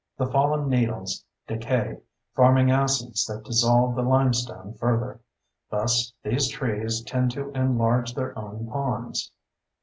The fallen needles decay, forming acids that dissolve the limestone further; thus these trees tend to enlarge their own ponds.